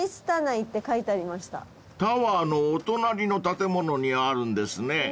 ［タワーのお隣の建物にあるんですね］